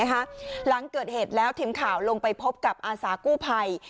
หลังเกิดเหตุแล้วทีมข่าวลงไปพบกับอาสากู้ภัย